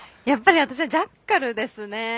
やっぱり私はジャッカルですね。